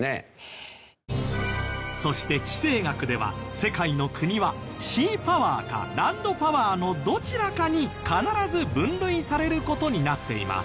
そして地政学では世界の国はシーパワーかランドパワーのどちらかに必ず分類される事になっています。